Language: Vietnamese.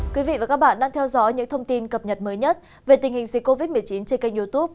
các bạn đang theo dõi những thông tin cập nhật mới nhất về tình hình dịch covid một mươi chín trên kênh youtube